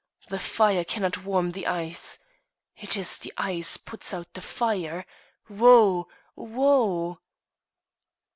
The fire cannot warm the ice. It is the ice puts out the fire! Woe! woe!"